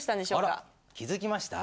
あら気付きました？